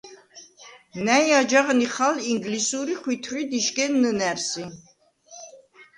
ნა̈ჲ აჯაღ ნიხალ ინგლისურ ი ხვითვრიდ იშგენ ნჷნა̈რსი.